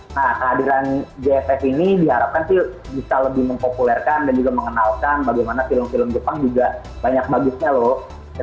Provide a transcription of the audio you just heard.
nah kehadiran jff ini diharapkan sih bisa lebih mempopulerkan dan juga mengenalkan bagaimana film film jepang juga banyak bagusnya loh